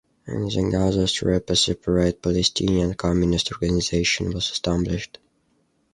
In the Gaza strip a separate Palestinian communist organization was established.